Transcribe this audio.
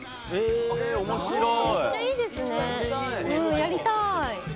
やりたい！